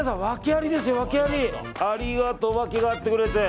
ありがとう、訳があってくれて。